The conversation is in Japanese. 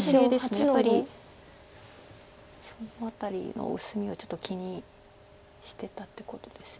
やっぱりその辺りの薄みはちょっと気にしてたってことです。